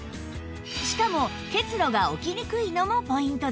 しかも結露が起きにくいのもポイントです